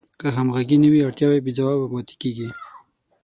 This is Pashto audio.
که همغږي نه وي اړتیاوې بې ځوابه پاتې کیږي.